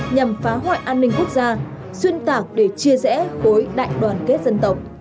nhằm phá hoại an ninh quốc gia xuyên tạc để chia rẽ khối đại đoàn kết dân tộc